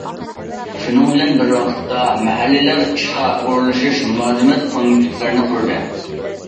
شۇنىڭ بىلەن بىر ۋاقىتتا، مەھەللىلەر ئىشقا ئورۇنلىشىش مۇلازىمەت پونكىتلىرىنى قۇردى.